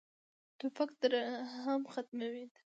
توپک ترحم ختموي.